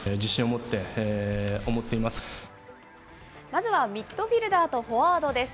まずはミッドフィールダーとフォワードです。